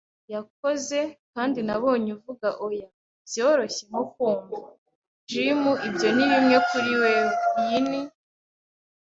yakoze; kandi nabonye uvuga oya, byoroshye nko kumva. Jim, ibyo ni bimwe kuri wewe. Iyi ni